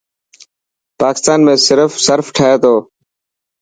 پاڪستان ۾ صرف ٺهي تو.